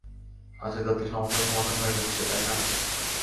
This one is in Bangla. আচ্ছা, তাতে সমস্যা সমাধান হয়ে যাচ্ছে, তাই না?